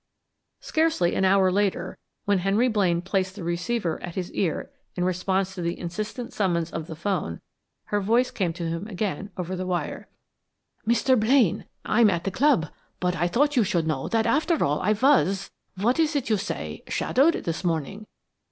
Scarcely an hour later, when Henry Blaine placed the receiver at his ear in response to the insistent summons of the 'phone, her voice came to him again over the wire. "Mr. Blaine, I am at the club, but I thought you should know that after all, I was what is that you say shadowed this morning.